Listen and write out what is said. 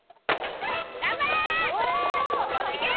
頑張れー！